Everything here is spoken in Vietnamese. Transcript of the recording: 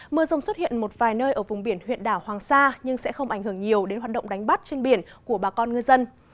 mưa rông xuất hiện một vài nơi ở vùng biển huyện đảo hoàng sa nhưng sẽ không ảnh hưởng nhiều đến hoạt động đánh bắt trên biển của bà con ngư dân